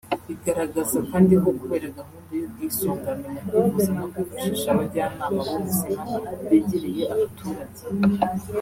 Igaragaza kandi ko kubera gahunda y’ubwisungane mu kwivuza no kwifashisha abajyanama b’ubuzima begereye abaturage